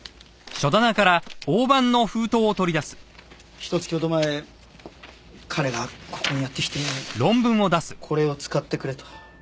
ひと月ほど前彼がここにやって来てこれを使ってくれと。